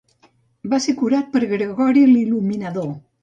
Va ser curat per Gregori l'il·luminador.